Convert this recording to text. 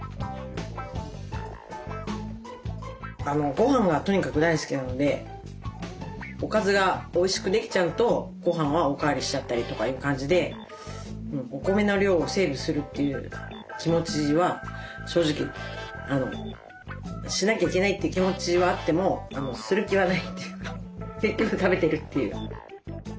ごはんがとにかく大好きなのでおかずがおいしくできちゃうとごはんはおかわりしちゃったりとかいう感じでお米の量をセーブする気持ちは正直しなきゃいけないという気持ちはあってもする気はないというか結局食べてるっていう。